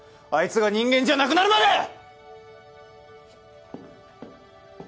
あいつが人間じゃなくなるまで！